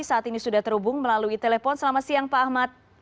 saat ini sudah terhubung melalui telepon selamat siang pak ahmad